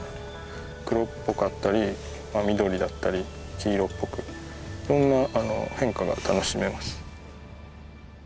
黒っぽかったり緑だったり黄色っぽくいろんな変化が楽しめます。